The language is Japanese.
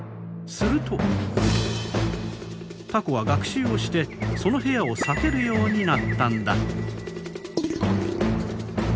するとタコは学習をしてその部屋を避けるようになったんだ。